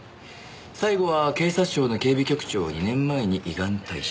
最後は警察庁の警備局長を２年前に依願退職。